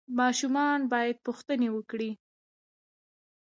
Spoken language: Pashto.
ماشومان باید پوښتنې وکړي.